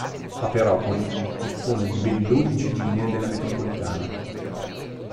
Paperopoli dispone di ben dodici linee della metropolitana.